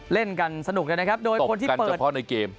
เล่นกันสนุกจังนะครับโดยคนที่เปิดตบกันเฉพาะในเกม